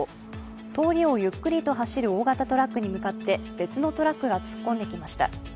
通りをゆっくりと走る大型トラックに向かって別のトラックが突っ込んできました。